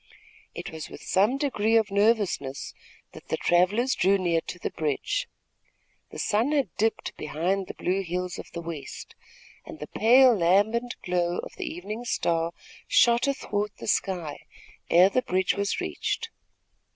It was with some degree of nervousness that the travellers drew near to the bridge. The sun had dipped behind the blue hills of the west, and the pale, lambent glow of the evening star shot athwart the sky, ere the bridge was reached.